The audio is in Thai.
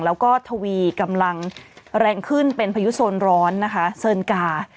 แล้วก็ทวีกำลังแรงขึ้นเป็นพายุโซนร้อนนะคะเซินกา